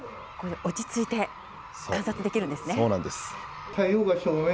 落ち着いて観察できるんですね。